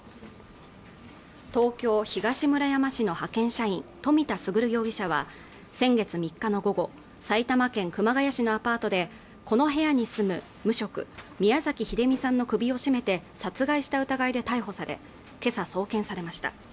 東京東村山市の派遣社員冨田賢容疑者は先月３日の午後埼玉県熊谷市のアパートでこの部屋に住む無職宮崎英美さんの首を絞めて殺害した疑いで逮捕され今朝送検されました